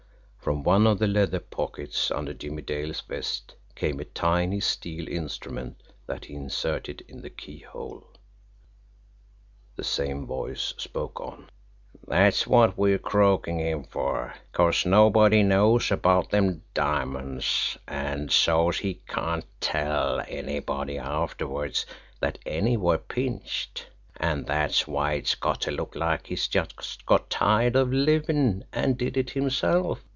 From one of the leather pockets under Jimmie Dale's vest came a tiny steel instrument that he inserted in the key hole. The same voice spoke on: "That's what we're croaking him for, 'cause nobody knows about them diamonds, and so's he can't TELL anybody afterward that any were pinched. An' that's why it's got to look like he just got tired of living and did it himself.